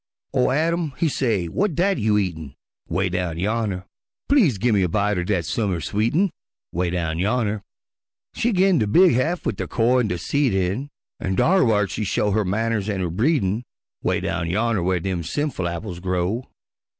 Ol' Adam he say, "W'at dat you eatin'?" ('Way down yonner) "Please gimme a bite er dat summer sweetin'," ('Way down yonner) She gin de big haff wid de core an' de seed in, An' dar whar she show her manners an' her breedin', 'Way down yonner whar dem sinful apples grow.